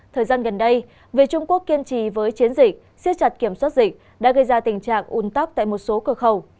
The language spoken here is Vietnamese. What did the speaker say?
thời gian gần đây về trung quốc kiên trì với chiến dịch siết chặt kiểm soát dịch đã gây ra tình trạng un tắc tại một số cửa khẩu